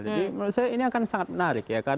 jadi menurut saya ini akan sangat menarik ya